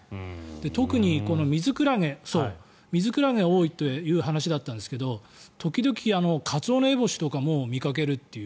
特にミズクラゲが多いっていう話だったんですけど時々、カツオノエボシとかも見かけるという。